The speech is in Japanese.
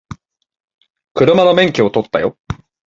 車の免許取ったよ